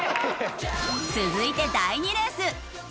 続いて第２レース。